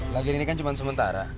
lagian ini kan cuman sementara